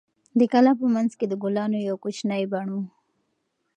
د کلا په منځ کې د ګلانو یو کوچنی بڼ و.